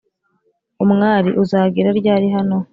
umwali uzagera ryari hano ?